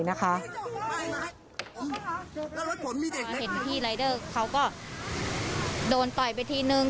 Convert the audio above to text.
เห็นพี่รายเดอร์เขาก็โดนต่อยไปทีหนึ่ง